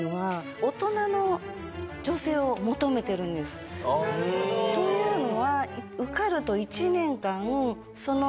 私がというのは。